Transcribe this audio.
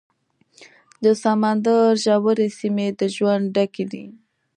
د سمندر ژورې سیمې د ژوند ډکې دي.